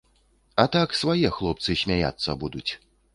А так свае хлопцы смяяцца будуць.